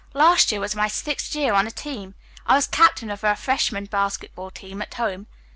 "Last year was my sixth year on a team. I was captain of our freshman basketball team at home.